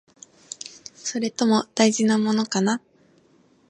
それとも、大事なものかな？